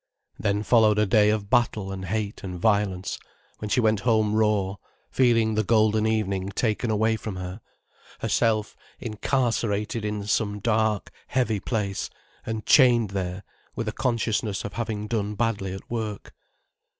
Then followed a day of battle and hate and violence, when she went home raw, feeling the golden evening taken away from her, herself incarcerated in some dark, heavy place, and chained there with a consciousness of having done badly at work.